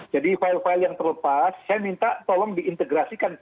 jadi file file yang terlepas saya minta tolong diintegrasikan